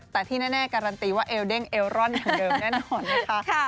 แต่ที่แน่การันตีว่าเอลเด้งเอลรอนเหมือนเดิมแน่นอนนะคะ